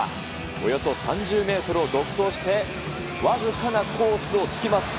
およそ３０メートルを独走して、僅かなコースをつきます。